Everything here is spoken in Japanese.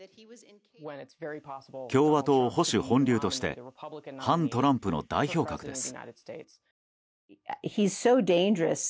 共和党保守本流として反トランプの代表格です。